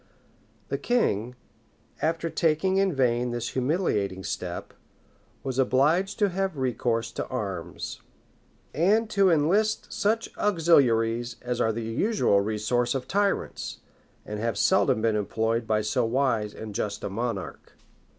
The king, after taking in vain this humiliating step, was obliged to have recourse to arms, and to enlist such auxiliaries as are the usual resource of tyrants, and have seldom been employed by so wise and just a monarch.